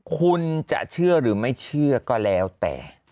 คุณจะเชื่อหรือไม่เชื่อก็แล้วแต่